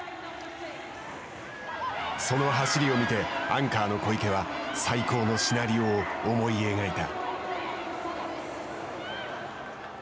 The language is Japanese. その走りを見てアンカーの小池は最高のシナリオを思い描いた。